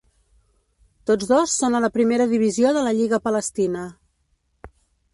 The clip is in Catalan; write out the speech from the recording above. Tots dos són a la primera divisió de la lliga palestina.